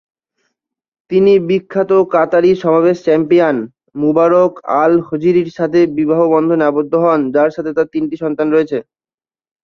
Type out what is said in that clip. তিনি বিখ্যাত কাতারি সমাবেশ চ্যাম্পিয়ন, মুবারক আল-হজিরির সাথে বিবাহ বন্ধনে আবদ্ধ হন, যার সাথে তার তিনটি সন্তান রয়েছে।